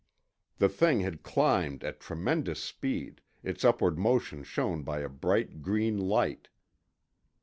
The thing had climbed at tremendous speed, its upward motion shown by a bright green light.